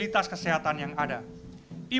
dan tumbuh kembang anak di vaksin